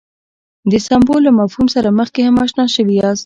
د سمبول له مفهوم سره مخکې هم اشنا شوي یاست.